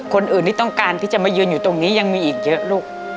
คนอื่นที่ต้องการที่จะมายืนอยู่ตรงนี้ยังมีอีกเยอะลูก